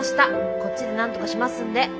こっちでなんとかしますんで。